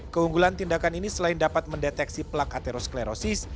keunggulan tindakan ini selain dapat mendeteksi plak atherosklerosis